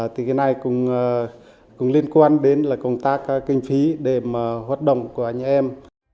thì cái này cũng liên quan đến là công tác kinh phí để mà hoạt động của anh em